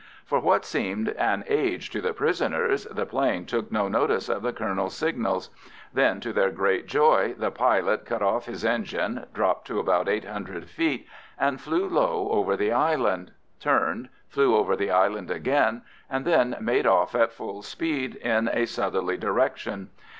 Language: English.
For what seemed an age to the prisoners, the 'plane took no notice of the colonel's signals; then, to their great joy, the pilot cut off his engine, dropped to about 800 feet, and flew low over the island, turned, flew over the island again, and then made off at full speed in a southerly direction.